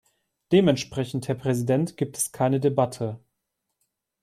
Dementsprechend, Herr Präsident, gibt es keine Debatte.